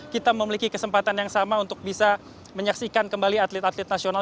kita memiliki kesempatan yang sama untuk bisa menyaksikan kembali atlet atlet nasional